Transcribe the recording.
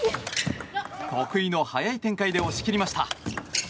得意の速い展開で押し切りました。